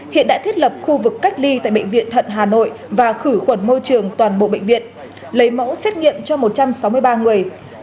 hiện đã thiết lập khu vực cách ly tại bệnh viện thận hà nội và khử khuẩn môi trường toàn bộ bệnh viện lấy mẫu xét nghiệm cho một trăm sáu mươi ba người